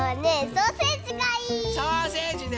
ソーセージね！